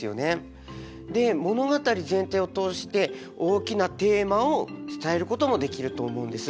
で物語全体を通して大きなテーマを伝えることもできると思うんです。